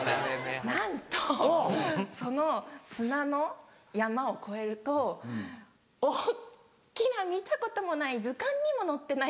なんとその砂の山を越えると大っきな見たこともない図鑑にも載ってない